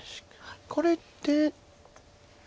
これで。